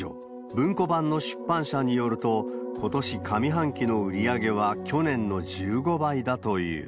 文庫版の出版社によると、ことし上半期の売り上げは去年の１５倍だという。